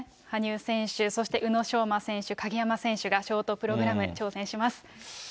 羽生選手、そして宇野昌磨選手、鍵山選手がショートプログラム挑戦します。